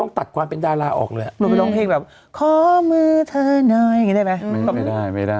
ต้องตัดความเป็นดาราออกเลยหรือโลยเงินแบบขอมือเถลายีนได้ไหมไม่ได้